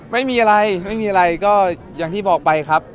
ไม่มีอะไรไม่มีอะไรก็อย่างที่บอกไปครับ